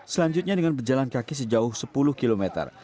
selanjutnya dengan berjalan kaki sejauh sepuluh km